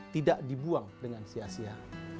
tidak dibuang dengan sia sia